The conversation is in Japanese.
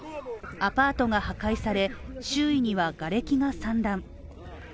アパートが破壊され、周囲にはがれきが散乱。